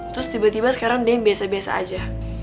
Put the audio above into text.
terus tiba tiba sekarang dia yang biasa biasa aja